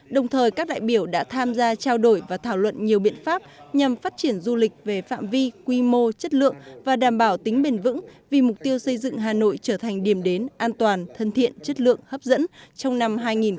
đồng thời các đại biểu đã tham gia trao đổi và thảo luận nhiều biện pháp nhằm phát triển du lịch về phạm vi quy mô chất lượng và đảm bảo tính bền vững vì mục tiêu xây dựng hà nội trở thành điểm đến an toàn thân thiện chất lượng hấp dẫn trong năm hai nghìn hai mươi